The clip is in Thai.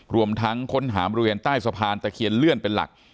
รวมทั้งค้นหาบริเวณใต้สะพานตะเคียนเลื่อนเป็นหลัก